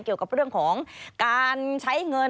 เกี่ยวกับเรื่องของการใช้เงิน